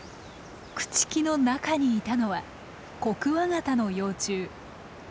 朽ち木の中にいたのはコクワガタの幼虫。